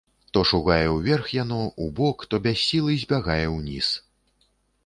То шугае ўверх яно, убок, то без сілы збягае ўніз.